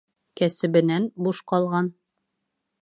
Кәсебенән буш ҡалған.